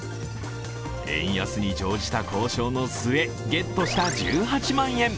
円安に乗じた交渉の末、ゲットした１８万円。